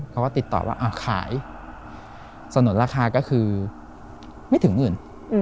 เขาก็ติดต่อว่าอ้าวขายสนุนราคาก็คือไม่ถึงหมื่น